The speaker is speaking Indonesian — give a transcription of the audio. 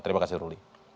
terima kasih ruli